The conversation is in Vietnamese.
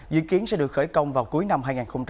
dự kiến sẽ được khởi công vào cuối năm hai nghìn hai mươi